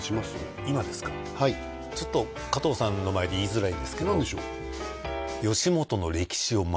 はいちょっと加藤さんの前で言いづらいんですけど何でしょう？